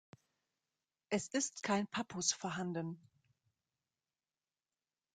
Es ist kein Pappus vorhanden.